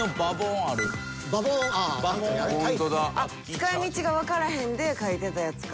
使い道がわからへんで描いてたやつか。